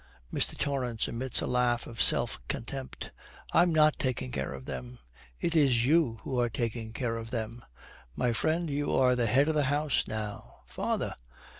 Mr. Torrance emits a laugh of self contempt. 'I am not taking care of them. It is you who are taking care of them. My friend, you are the head of the house now.'